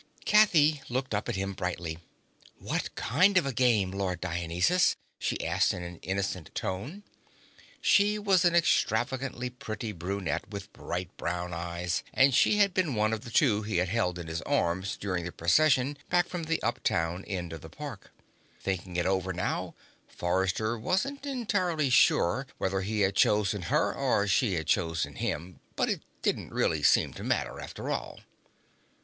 Kathy looked up at him brightly. "What kind of game, Lord Dionysus?" she asked in an innocent tone. She was an extravagantly pretty brunette with bright brown eyes, and she had been one of the two he had held in his arms during the Procession back from the uptown end of the park. Thinking it over now, Forrester wasn't entirely sure whether he had chosen her or she had chosen him, but it didn't really seem to matter, after all.